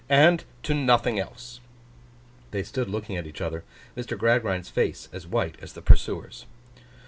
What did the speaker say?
'And to nothing else.' They stood looking at each other; Mr. Gradgrind's face as white as the pursuer's.